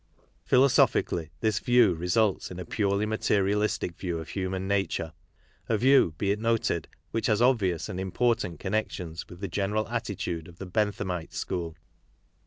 Philosophically, this view results in a purely materialistic view of human nature — a view, be it noted, which has obvious and important connections with the general attitude of the Benthamite school.